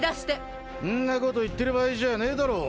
んなこと言ってる場合じゃねぇだろう。